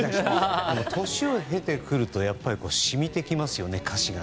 年を経てくるとやっぱりしみてきますね、歌詞が。